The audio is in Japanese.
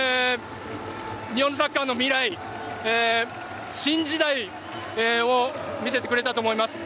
日本のサッカーの未来新時代を見せてくれたと思います。